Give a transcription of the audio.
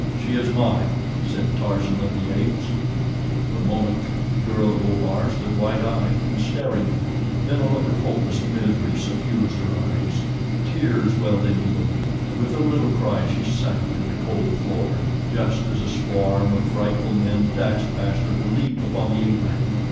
"She is mine," said Tarzan of the Apes. For a moment the girl of Opar stood wide eyed and staring. Then a look of hopeless misery suffused her eyes—tears welled into them, and with a little cry she sank to the cold floor, just as a swarm of frightful men dashed past her to leap upon the ape man.